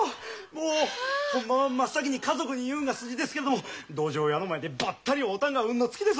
もうホンマは真っ先に家族に言うんが筋ですけれどもどじょう屋の前でばったり会うたんが運の尽きですわ。